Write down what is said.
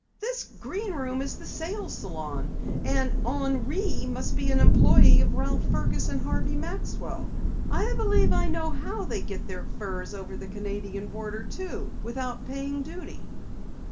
"This Green Room is the sales salon, and Henri must be an employee of Ralph Fergus and Harvey Maxwell. I believe I know how they get the furs over the Canadian border, too, without paying duty!"